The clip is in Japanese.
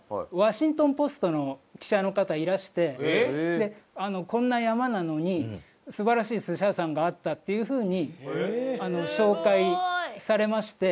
外国のこんな山なのに素晴らしい寿司屋さんがあったっていうふうに紹介されまして。